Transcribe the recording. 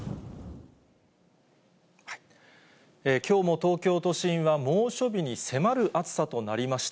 きょうも東京都心は猛暑日に迫る暑さとなりました。